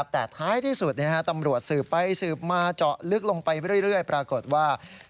แต่ท้ายที่สุดตำรวจสืบไปสืบมาเจาะลึกลงไปเรื่อยปรากฏว่า